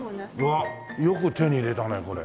うわっよく手に入れたねこれ。